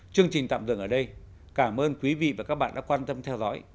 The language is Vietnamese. chương trình tạm dừng ở đây cảm ơn quý vị và các bạn đã quan tâm theo dõi